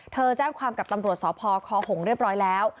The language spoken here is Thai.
แจ้งความกับตำรวจสพคหงเรียบร้อยแล้ว